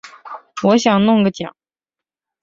我想弄个奖